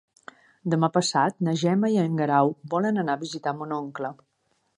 Demà passat na Gemma i en Guerau volen anar a visitar mon oncle.